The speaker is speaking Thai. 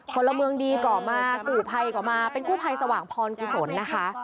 พลเมืองดีก่อมากู่ภัยก่อมาเป็นกู้ภัยสว่างพรกุศลนะคะ